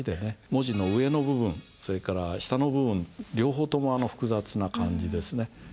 文字の上の部分それから下の部分両方とも複雑な感じですね。